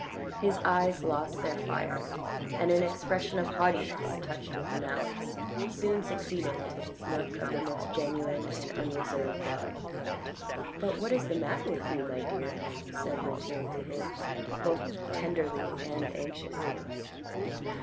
His eyes lost their fire, and an expression of haughtiness touched with malice soon succeeded to his look of the most genuine and unreserved love. " But what is the matter with you, my dear," said Mathilde to him, both tenderly and anxiously.